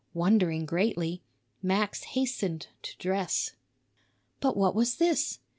Wondering greatly, Max hastened to dress. But what was this?